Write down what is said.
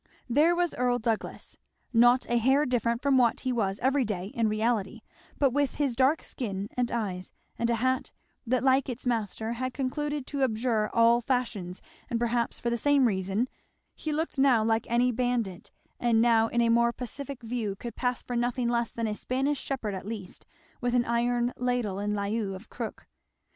There was Earl Douglass, not a hair different from what he was every day in reality, but with his dark skin and eyes, and a hat that like its master had concluded to abjure all fashions and perhaps for the same reason, he looked now like any bandit and now in a more pacific view could pass for nothing less than a Spanish shepherd at least, with an iron ladle in lieu of crook.